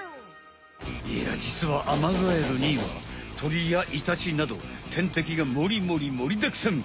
いやじつはアマガエルにはトリやイタチなどてんてきがもりもりもりだくさん！